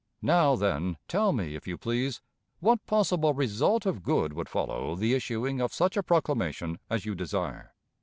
... Now, then, tell me, if you please, what possible result of good would follow the issuing of such a proclamation as you desire?